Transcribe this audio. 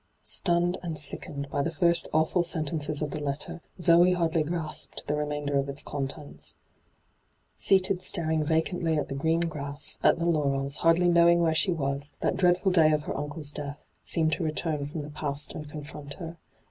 Stunned and sickened by the first awful sentences of the letter, Zoe hardly grasped ' the remainder of its contents. Seated staring vacantly at the green grass, at the laurels, huxlly knowing where she was, that dread ful day of her uncle's death seemed to return from the past and confront her.